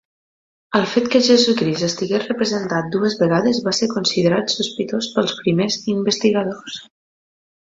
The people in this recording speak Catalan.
El fet que Jesucrist estigués representat dues vegades va ser considerat sospitós pels primers investigadors.